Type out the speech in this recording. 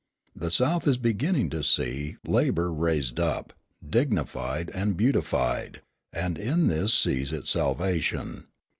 The South is beginning to see labour raised up, dignified and beautified, and in this sees its salvation.